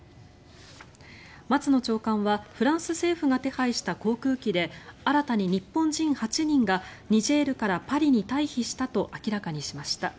松野長官はフランス政府が手配した航空機で新たに日本人８人がニジェールからパリに退避したと明らかにしました。